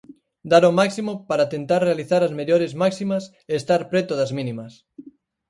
Dar o máximo para tentar realizar as mellores máximas e estar preto das mínimas.